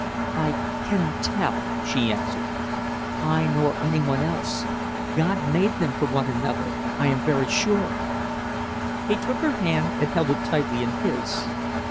"I cannot tell," she answered, "I, nor any one else! God made them for one another, I am very sure!" He took her hand and held it tightly in his.